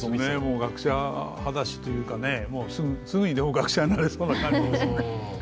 学者話しというかすぐにでも学者になれそうですよね。